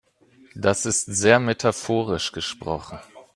Das ist sehr metaphorisch gesprochen.